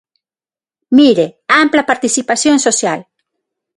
Mire, ampla participación social.